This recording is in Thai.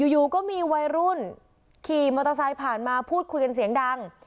อยู่ก็มีวัยรุ่นขี่มอเตอร์ไซค์ผ่านมาพูดคุยกันเสียงดัง